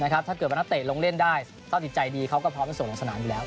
ถ้าเกิดบรรณะเตะลงเล่นได้ต้องติดใจดีเขาก็พร้อมเป็นส่วนลงสนานอยู่แล้ว